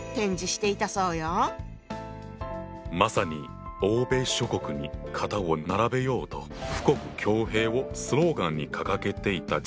まさに欧米諸国に肩を並べようと富国強兵をスローガンに掲げていた時代だよな。